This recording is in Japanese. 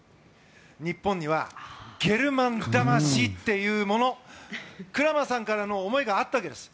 日本にはゲルマン魂っていうものクラマーさんからの思いがあったわけです。